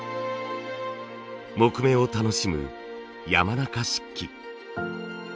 木目を楽しむ山中漆器。